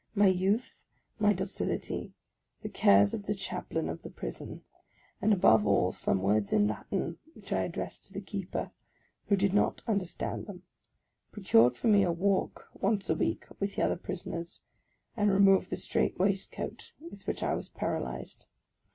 My youth, my docil ity, the cares of the Chaplain of the prison, and above all some words in Latin which I addressed to the keeper, who did not understand them, procured for me a walk once a week with the other prisoners, and removed the strait waistcoat with which I was paralyzed.